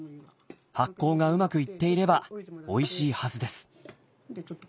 発酵がうまくいっていればおいしいはずです。